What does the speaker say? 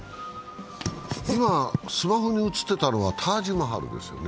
今、スマホに映ってたのはタージマハルですよね。